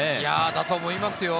だと思いますよ。